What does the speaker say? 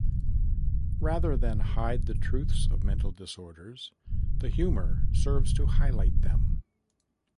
Rather than hide the truths of mental disorders, the humor serves to highlight them.